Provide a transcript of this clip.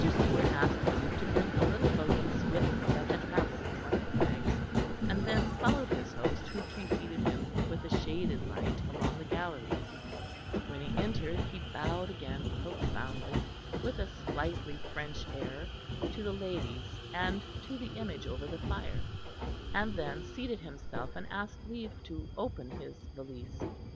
Stewart asked leave to bring a little valise with him that had travelled in one of the bags, and then followed his host who preceded him with a shaded light along the gallery. When he entered he bowed again profoundly, with a slightly French air, to the ladies and to the image over the fire; and then seated himself, and asked leave to open his valise.